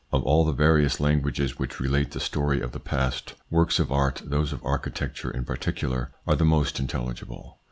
Of all the various languages which relate the story of the past, works of art, those of architecture in particular, are the most intelligible.